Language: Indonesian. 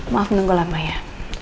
maaf menunggu lama ya